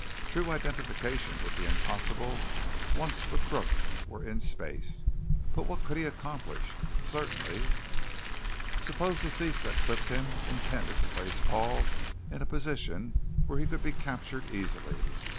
True identification would be impossible once the crook were in space. But what could he accomplish? Certainly Suppose the thief that clipped him intended to place Paul in a position where he could be captured easily.